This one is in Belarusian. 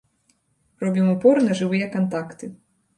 Робім упор на жывыя кантакты.